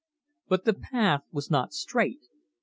But the path was not straight.